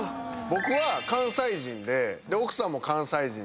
僕は関西人で奥さんも関西人で。